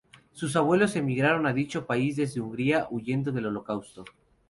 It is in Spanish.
Sus abuelos emigraron a dicho país desde Hungría huyendo del Holocausto.